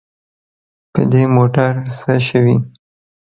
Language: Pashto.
په دې موټر څه شوي.